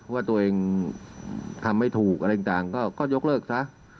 ว่าตัวเองทำไม่ถูกอะไรต่างก็ยกเลิกซะ